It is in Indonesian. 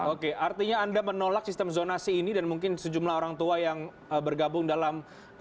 oke artinya anda menolak sistem zonasi ini dan mungkin sejumlah orang tua yang bergabung dalam